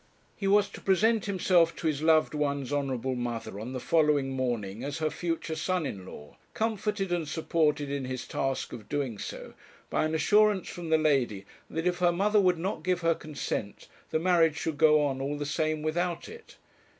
He was to present himself to his loved one's honourable mother on the following morning as her future son in law, comforted and supported in his task of doing so by an assurance from the lady that if her mother would not give her consent the marriage should go on all the same without it.